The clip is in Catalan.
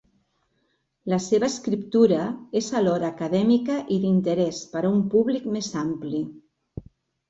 La seva escriptura és alhora acadèmica i d'interès per a un públic més ampli.